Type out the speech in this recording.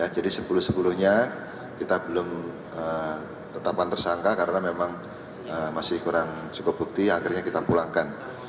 jadi sepuluh sepuluh nya kita belum tetapan tersangka karena memang masih kurang cukup bukti akhirnya kita pulangkan